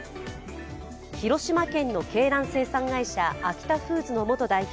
広島県の鶏卵生産会社アキタフーズの元代表